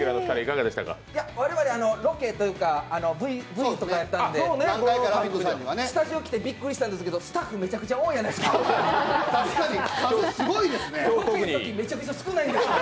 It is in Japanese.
我々、ロケというかＶのところやったんでスタジオに来てびっくりしたんですけど、スタッフさんの数すごい多いですね。